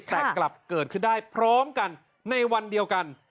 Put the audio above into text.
แต่กลับเกิดขึ้นได้พร้อมกันในวันเดียวกัน